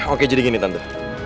oke jadi gini tante